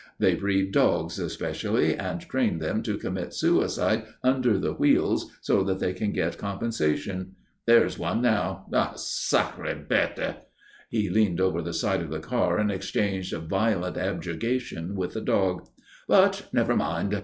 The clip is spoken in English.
They breed dogs especially and train them to commit suicide under the wheels so that they can get compensation. There's one now ah, sacrée bête!" He leaned over the side of the car and exchanged violent objurgation with the dog. "But never mind.